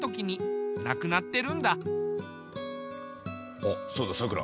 あっそうださくら。